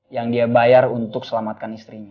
yang dia bayar untuk selamatkan istrinya